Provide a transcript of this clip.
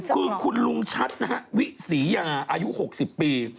คือคุณลุงชัดนะฮะวิศรียาอายุ๖๐ปี